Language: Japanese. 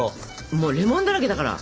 もうレモンだらけだから。